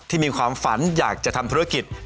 มีความฝันอยากจะทำธุรกิจ